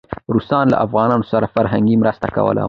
روسان له افغانانو سره فرهنګي مرسته کوله.